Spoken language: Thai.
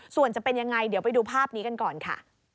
ส่วนจะเป็นยังไงเดี๋ยวไปดูภาพนี้กันก่อนค่ะ